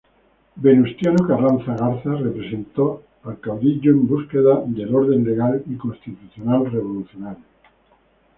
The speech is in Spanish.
Venustiano Carranza Garza representó al caudillo en búsqueda del orden legal y constitucional revolucionario.